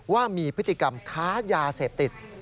ว่ามีพฤติกรรมค้ายาเสพติด